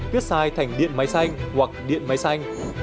viết sai thành điện máy xanh hoặc điện máy xanh